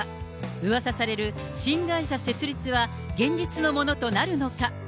うわさされる新会社設立は現実のものとなるのか。